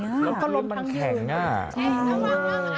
แล้วก็ล้มหมั่นแข่ง